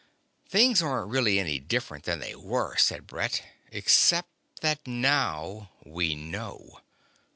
"Things aren't really any different than they were," said Brett, "... except that now we know."